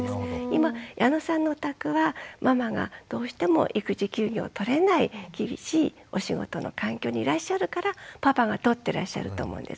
今矢野さんのお宅はママがどうしても育児休業を取れない厳しいお仕事の環境にいらっしゃるからパパが取ってらっしゃると思うんです。